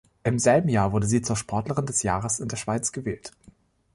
Im selben Jahr wurde sie zur Sportlerin des Jahres in der Schweiz gewählt.